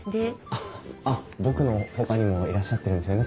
あっ僕のほかにもいらっしゃってるんですよね